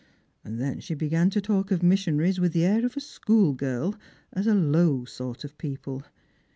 And then she began to talk of mission aries, with the air of a schoolgirl, as a low sort of people.